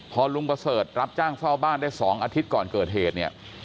พอลุงประเสริฐรับจ้างเฝ้าบ้านได้๒อาทิตย์ก่อนเกิดเหตุเนี่ย